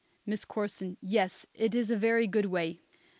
MISS CORSON. Yes, it is a very good way.